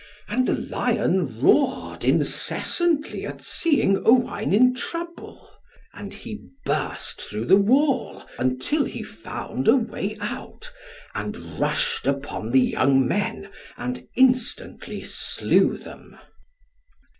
And the lion roared incessantly at seeing Owain in trouble. And he burst through the wall, until he found a way out, and rushed upon the young men, and instantly slew them.